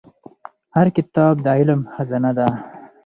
هر کتاب د علم خزانه ده.